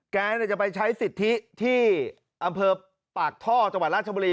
แกจะไปใช้สิทธิที่อำเภอปากท่อจังหวัดราชบุรี